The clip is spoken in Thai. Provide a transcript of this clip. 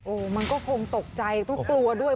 มันก็คงตกใจก็กลัวด้วย